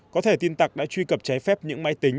có thể tin tặc đã truy cập trái phép những máy tính